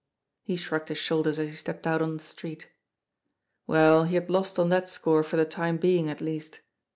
He shrugged his shoulders as he stepped out on the street. Well, he had lost on that score for the time being, at least.